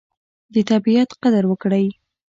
د طبیعت قدر وکړئ.